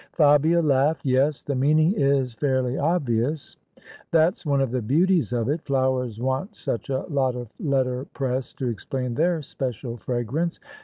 Fabia laughed. " Yes : the meaning is fairly obvious." " That's one of the beauties of it. Flowers want such a lot of letter press to explain their special fragrance.